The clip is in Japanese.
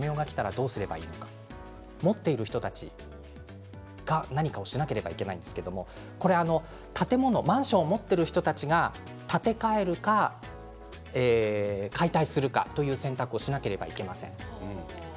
持っている人たちが何かをしなければいけないんですけれどこれはマンションを持っている人たちが建て替えるか解体するかという選択をしなければいけません。